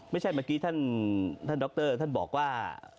ไม่ใช่เมื่อกี้ท่านด๊อคเตอร์ท่านบอกว่า